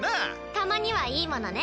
たまにはいいものね。